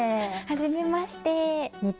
はじめまして。